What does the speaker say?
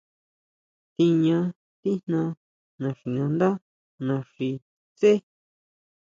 Tiña tijna naxinandá naxi tsé.